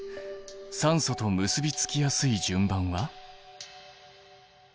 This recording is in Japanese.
酸素と結びつきやすい順番は？